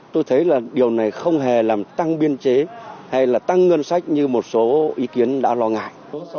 tôi thấy là điều này không hề làm tăng biên chế hay là tăng ngân sách như một số ý kiến đã lo ngại